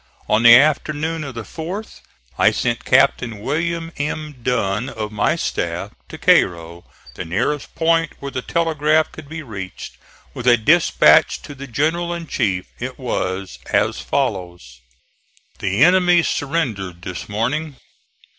On the afternoon of the fourth I sent Captain Wm. M. Dunn of my staff to Cairo, the nearest point where the telegraph could be reached, with a dispatch to the general in chief. It was as follows: "The enemy surrendered this morning.